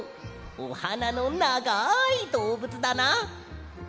おはなのながいどうぶつだな。